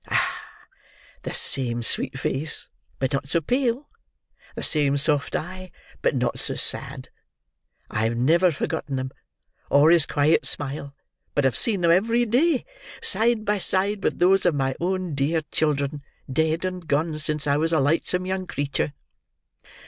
Ah! the same sweet face, but not so pale; the same soft eye, but not so sad. I have never forgotten them or his quiet smile, but have seen them every day, side by side with those of my own dear children, dead and gone since I was a lightsome young creature."